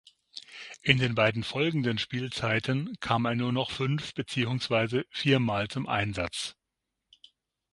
In den beiden folgenden Spielzeiten kam er nur noch fünf beziehungsweise viermal zum Einsatz.